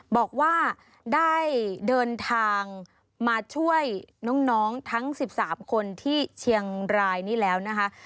บอกว่าได้เดินทางมาช่วยน้องทั้ง๑๓คนที่เชียงรายนี้แล้วนะคะ